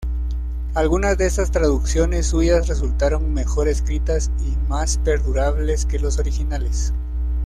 Algunas de estas traducciones suyas resultaron mejor escritas y más perdurables que los originales.